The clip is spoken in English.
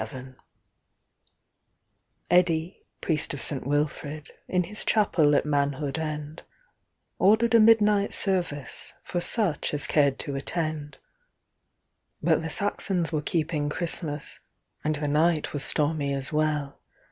687)EDDI, priest of St. WilfridIn his chapel at Manhood End, Ordered a midnight serviceFor such as cared to attend. But the Saxons were keeping Christmas, And the night was stormy as well.